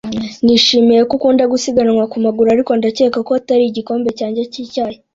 Nishimiye ko ukunda gusiganwa ku maguru, ariko ndakeka ko atari igikombe cyanjye cy'icyayi.